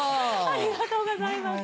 ありがとうございます